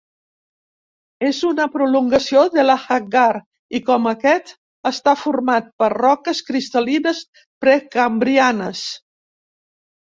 És una prolongació de l'Ahaggar, i com aquest, està format per roques cristal·lines precambrianes.